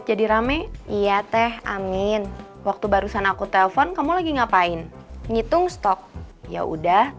jangan makan jalan nih